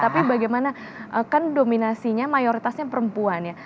tapi bagaimana kan dominasinya mayoritasnya perempuan ya